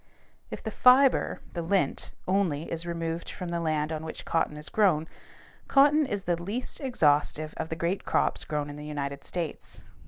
If the fiber (the lint) only is removed from the land on which cotton is grown, cotton is the least exhaustive of the great crops grown in the United States.